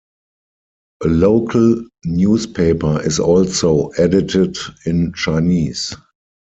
A local newspaper is also edited in Chinese.